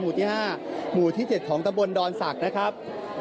รถขึ้นมีหมู่ที่๓หมู่ที่๕หมู่ที่๗ของตะบนดอนสักนะครับ